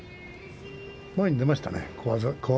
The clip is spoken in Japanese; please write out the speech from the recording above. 前に出ましたね。